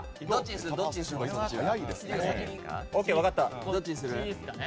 ＯＫ、分かった。